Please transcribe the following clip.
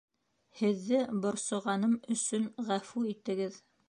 Һеҙҙе борсоғаным өсөн ғәфү итегеҙ